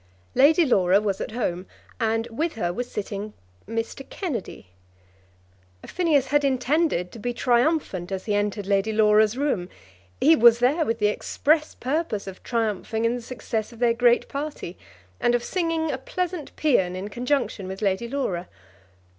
Lady Laura was at home, and with her was sitting Mr. Kennedy. Phineas had intended to be triumphant as he entered Lady Laura's room. He was there with the express purpose of triumphing in the success of their great party, and of singing a pleasant paean in conjunction with Lady Laura.